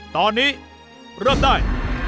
ตอนนี้เริ่มได้